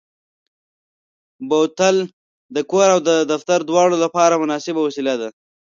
بوتل د کور او دفتر دواړو لپاره مناسبه وسیله ده.